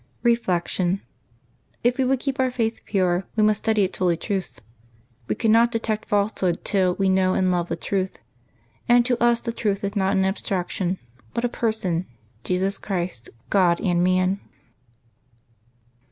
Reflection. — If we would keep our faith pure, we must study its holy truths. We cannot detect falsehood till we know and love the truth; and to us the truth is not an abstraction, but a Person, Jesus Christ, God and Man.